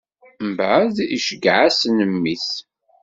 Mbeɛd, iceggeɛ-asen mmi-s.